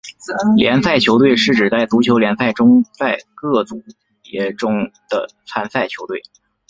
联赛球队是指在足球联赛中在各组别中的参赛球队。